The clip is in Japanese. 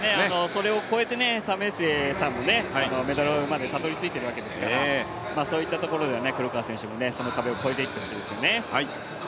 それを超えて為末さんもメダルまでたどりついているわけですからそういったところでは黒川選手も、その壁を超えていってほしいですよね。